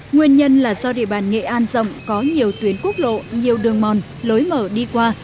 nguyên nhân là do địa bàn nghệ an rộng có nhiều tuyến quốc lộ nhiều đường mòn lối mở đi qua